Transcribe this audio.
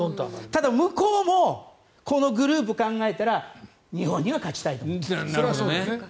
ただ、向こうもこのグループを考えたら日本には勝ちたいと思っている。